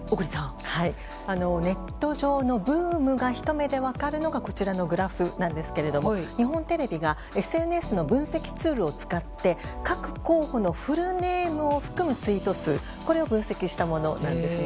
ネット上のブームがひと目で分かるのがこちらのグラフなんですけど日本テレビがＳＮＳの分析ツールを使って各候補のフルネームを含むツイート数これを分析したものなんです。